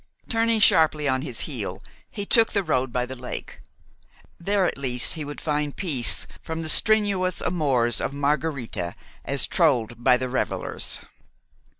Turning sharply on his heel, he took the road by the lake. There at least he would find peace from the strenuous amours of Margharita as trolled by the revelers.